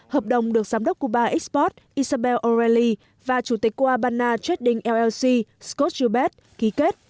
hợp đồng được giám đốc cuba export isabel o reilly và chủ tịch la habana trading llc scott joubert ký kết